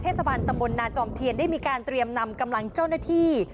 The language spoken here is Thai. บันตำบลนาจอมเทียนได้มีการเตรียมนำกำลังเจ้าหน้าที่